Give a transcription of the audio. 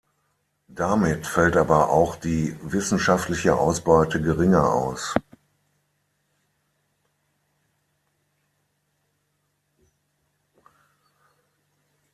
Damit fällt aber auch die wissenschaftliche Ausbeute geringer aus.